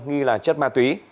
ghi là chất ma túy